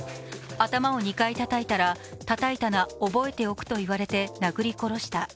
頭を２回たたいたらたたいたな、覚えておくと言われて殴り殺した。